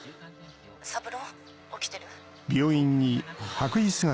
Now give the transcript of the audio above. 三郎起きてる？ああ。